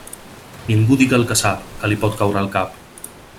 Ningú diga el que sap, que li pot caure el cap.